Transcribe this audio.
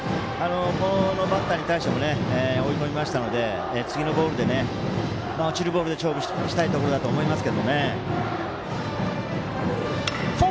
このバッターに対しても追い込みましたので次のボールで落ちるボールで勝負したいところだと思いますが。